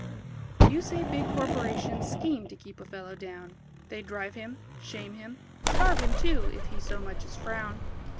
You say big corporations scheme To keep a fellow down; They drive him, shame him, starve him too If he so much as frown.